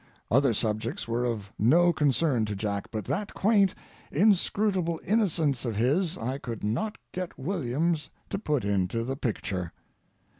Other subjects were of no concern to Jack, but that quaint, inscrutable innocence of his I could not get Williams to put into the picture.